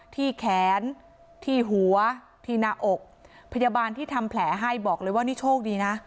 ที่แขนที่หัวที่หน้าอกพยาบาลที่ทำแผลให้บอกเลยว่านี่โชคดีนะ